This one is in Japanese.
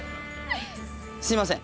すいません。